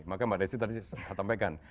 makanya mbak desy tadi saya sampaikan